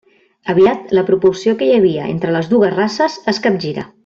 Aviat la proporció que hi havia entre les dues races es capgira.